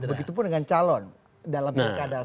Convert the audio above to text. begitupun dengan calon dalam pilkada